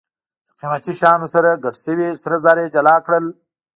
له قیمتي شیانو سره ګډ شوي سره زر یې جلا کړل.